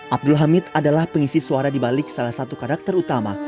abdul hamid adalah pengisi suara dibalik salah satu karakter utama